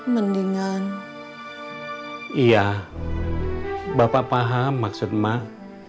mendingan iya bapak paham maksud mah